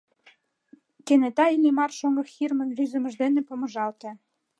Кенета Иллимар шоҥго Хирмын рӱзымыж дене помыжалте: